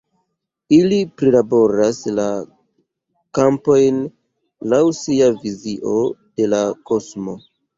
Ili prilaboras la kampojn laŭ sia vizio de la kosmo.